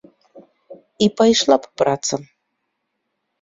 І пайшла б праца.